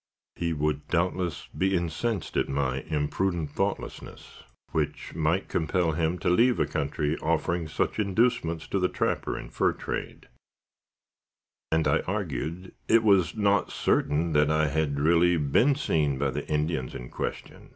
He would, doubtless, be incensed at my imprudent thoughtlessness, which might compel him to leave a country offering such inducements to the trapper and fur trade; and I argued it was not certain that I had really been seen by the Indians in question.